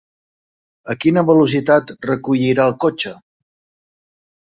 A quina velocitat recollirà el cotxe?